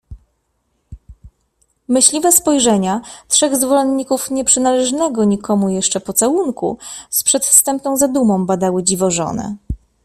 Myśliwe spojrzenia trzech zwolenników nieprzynależnego nikomu jeszcze pocałunku z przedwstępną zadumą badały dziwożonę.